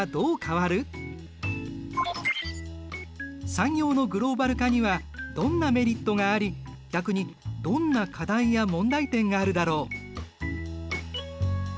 産業のグローバル化にはどんなメリットがあり逆にどんな課題や問題点があるだろう。